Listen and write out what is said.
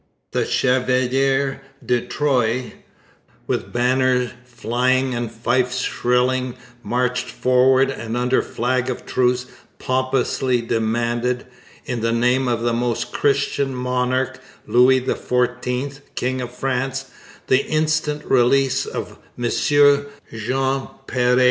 The Chevalier de Troyes, with banner flying and fifes shrilling, marched forward, and under flag of truce pompously demanded, in the name of the Most Christian Monarch, Louis XIV, King of France, the instant release of Monsieur Jean Péré.